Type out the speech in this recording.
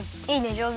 じょうず。